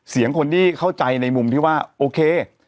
เสียงคนที่เข้าใจในมุมที่ว่าโอเค